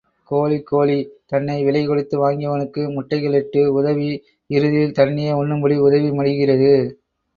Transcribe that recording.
கோழி கோழி தன்னை விலை கொடுத்து வாங்கியவனுக்கு முட்டைகள் இட்டு உதவி, இறுதியில் தன்னையே உண்ணும்படி, உதவி, மடிகிறது.